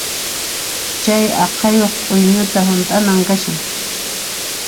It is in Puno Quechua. Chay chawpi aqhayuq p'uñuta hunt'ana kashan.